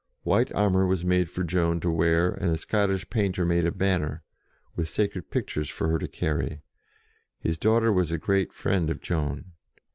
White armour was made for Joan to wear, and a Scottish painter made a banner with sacred pictures for her to carry: his daughter was a great friend of Joan.